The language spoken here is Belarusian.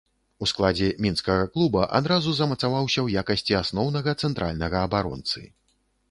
У складзе мінскага клуба адразу замацаваўся ў якасці асноўнага цэнтральнага абаронцы.